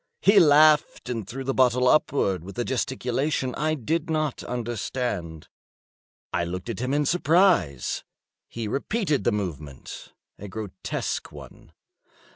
He laughed and threw the bottle upwards with a gesticulation I did not understand. I looked at him in surprise. He repeated the movement—a grotesque one.